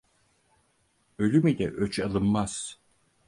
Ölüm ile öç alınmaz.